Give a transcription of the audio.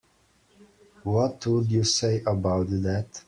What would you say about that?